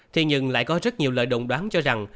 thế nhưng lại có rất nhiều lời động đoán cho rằng